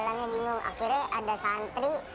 yang deket situ